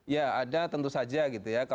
ya ada tentu saja gitu ya